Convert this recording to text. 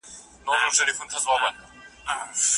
بړستن بې پوښه نه وي.